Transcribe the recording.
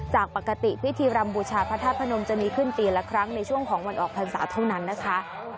จากปกติพิธีรำบูชาพระธาตุพนมจะมีขึ้นปีละครั้งในช่วงของวันออกพรรษาเท่านั้นนะคะ